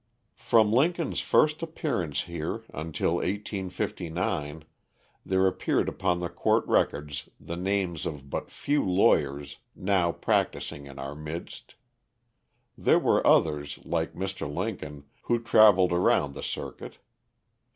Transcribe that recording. From Lincoln's first appearance here until 1859, there appear upon the court records the names of but few lawyers now practicing in our midst. There were others, like Mr. Lincoln, who travelled around the circuit.